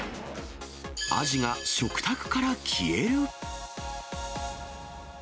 アジが食卓から消える？